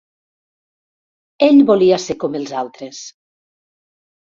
Ell volia ser com els altres.